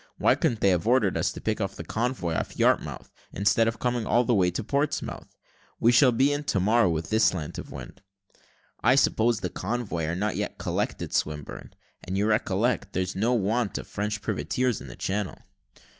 Why couldn't they have ordered us to pick the convoy off Yarmouth, instead of coming all the way to Portsmouth? We shall be in to morrow, with this slant of wind." "I suppose the convoy are not yet collected, Swinburne; and you recollect, there's no want of French privateers in the Channel."